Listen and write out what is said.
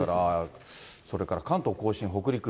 それから関東甲信、北陸。